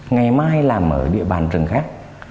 ngày mai làm ở địa bàn rừng khác